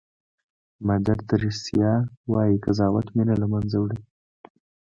مادر تریسیا وایي قضاوت مینه له منځه وړي.